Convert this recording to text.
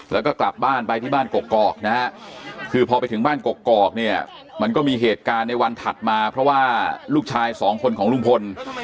แล้วก็กลับบ้านไปที่บ้านกกอกนะฮะคือพอไปถึงบ้านกกอกเนี่ยมันก็มีเหตุการณ์ในวันถัดมาเพราะว่าลูกชายสองคนของลุงพล